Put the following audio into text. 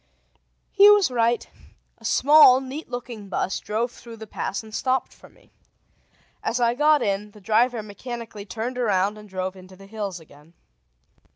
He was right. A small, neat looking bus drove through the pass and stopped for me. As I got in, the driver mechanically turned around and drove into the hills again.